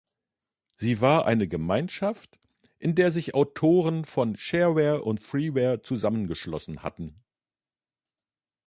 Sie war eine Gemeinschaft, in der sich Autoren von Shareware und Freeware zusammengeschlossen hatten.